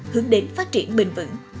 hướng đến phát triển bền vững